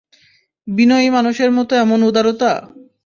বিনয়ী মানুষের মতো এমন উদারতা!